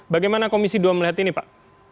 bagaimana komisi dua melihat ini pak